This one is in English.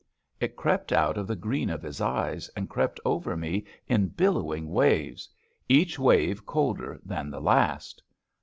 It crept out of the green of his eyes and crept over me in billowing waves — each wave colder than the last.